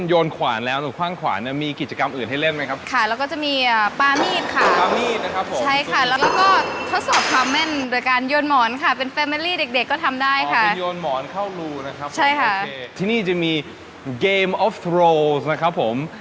โยนขวานใหญ่ทีเดียวเลยนะครับ